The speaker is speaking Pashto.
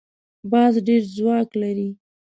باز ډېر ځواک لري